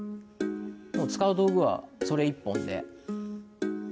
使う道具はそれ１本で。